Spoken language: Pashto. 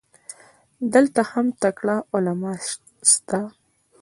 دلته هم ښه تکړه علما سته.